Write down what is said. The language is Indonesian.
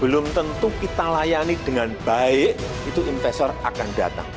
belum tentu kita layani dengan baik itu investor akan datang